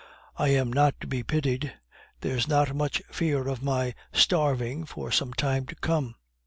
I am not to be pitied. There's not much fear of my starving for some time to come."